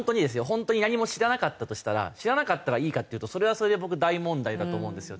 本当に何も知らなかったとしたら知らなかったらいいかっていうとそれはそれで僕大問題だと思うんですよ。